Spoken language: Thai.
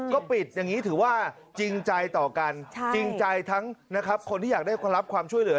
ก็ปิดอย่างนี้ถือว่าจริงใจต่อกันจริงใจทั้งนะครับคนที่อยากได้ความรับความช่วยเหลือ